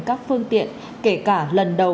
các phương tiện kể cả lần đầu